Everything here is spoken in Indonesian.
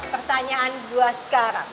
pertanyaan gue sekarang